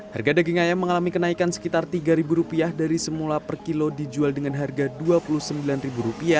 harga daging ayam mengalami kenaikan sekitar rp tiga dari semula per kilo dijual dengan harga rp dua puluh sembilan